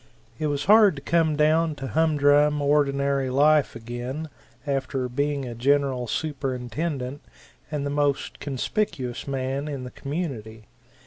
It was hard to come down to humdrum ordinary life again after being a General Superintendent and the most conspicuous man in the community.